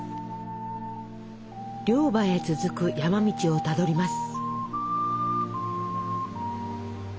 猟場へ続く山道をたどります。